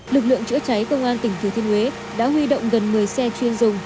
lực lượng chữa cháy công an tỉnh thừa thiên huế đã huy động gần một mươi xe chuyên dùng